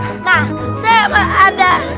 nah saya mau ada